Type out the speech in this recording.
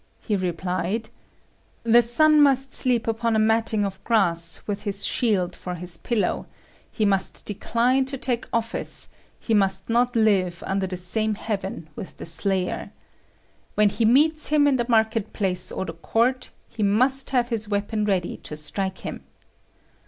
He replied, 'The son must sleep upon a matting of grass with his shield for his pillow; he must decline to take office; he must not live under the same heaven with the slayer. When he meets him in the market place or the court, he must have his weapon ready to strike him.'